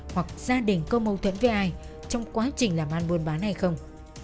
hoặc gia đình có mâu thuẫn với ai trong quá trình làm ăn buôn bán hay không